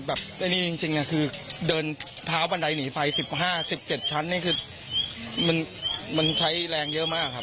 ไอ้นี่จริงคือเดินเท้าบันไดหนีไฟ๑๕๑๗ชั้นนี่คือมันใช้แรงเยอะมากครับ